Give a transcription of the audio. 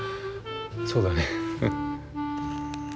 そうだね。